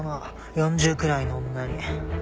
４０くらいの女に。